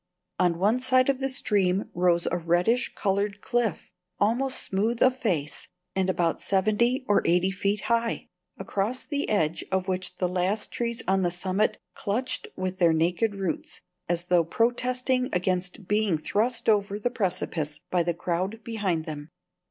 On one side of the stream rose a reddish coloured cliff, almost smooth of face and about seventy or eighty feet high, across the edge of which the last trees on the summit clutched with their naked roots, as though protesting against being thrust over the precipice by the crowd behind them.